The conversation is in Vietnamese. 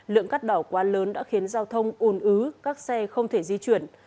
lượng cắt đỏ quá lớn đã khiến giao thông ồn ứ các xe không thể di chuyển